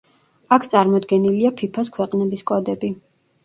აქ წარმოდგენილია ფიფა-ს ქვეყნების კოდები.